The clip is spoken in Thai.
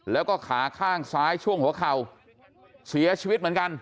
แล้วก็ขาข้างซ้ายช่วงหัวเข่าเสียชีวิตเหมือนกัน